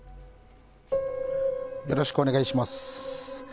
よろしくお願いします。